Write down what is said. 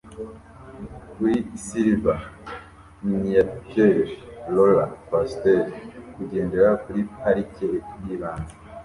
kuri silver miniature roller coaster kugendera kuri parike yibanze